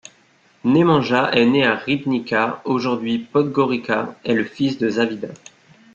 Nemanja est né à Ribnica, aujourd'hui Podgorica est le fils de Zavida.